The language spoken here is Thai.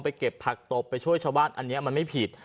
เก็บผักตบไปช่วยชาวบ้านอันนี้มันไม่ผิด